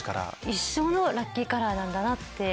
一生のラッキーカラーなんだなって。